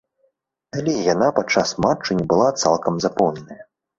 Але і яна падчас матчу не была цалкам запоўненая.